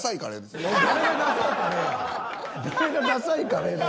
誰がダサいカレーや。